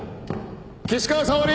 岸川沙織。